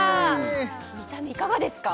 見た目いかがですか？